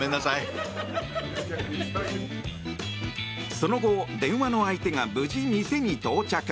その後、電話の相手が無事、店に到着。